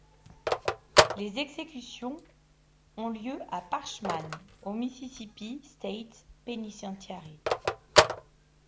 Les exécutions ont lieu à Parchman, au Mississippi State Penitentiary.